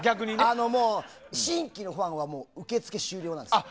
もう、新規のファンは受け付け終了なんです。